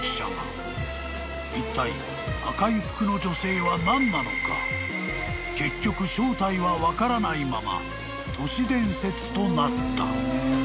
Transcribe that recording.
［いったい赤い服の女性は何なのか結局正体は分からないまま都市伝説となった］